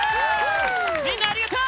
みんなありがとう！